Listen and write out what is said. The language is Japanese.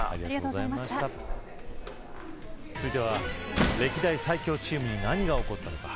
続いては歴代最強チームに何が起こったのか。